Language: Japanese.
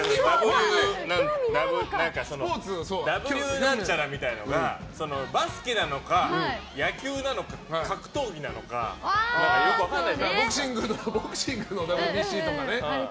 Ｗなんちゃらっていうのがバスケなのか、野球なのか格闘技なのかボクシングもＷＢＣとかね。